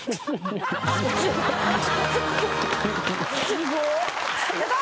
すごっ。